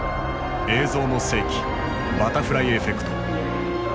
「映像の世紀バタフライエフェクト」。